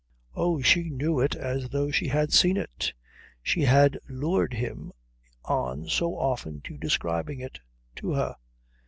Oh, she knew it as though she had seen it, she had lured him on so often to describing it to her.